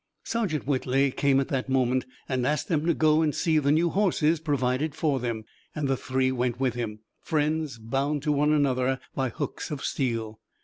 Sergeant Whitley came at that moment and asked them to go and see the new horses provided for them, and the three went with him, friends bound to one another by hooks of steel.